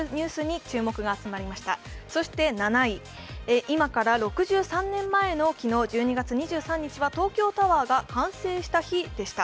そして７位、今から６３年前の昨日、１２月２３日は東京タワーが完成した日でした。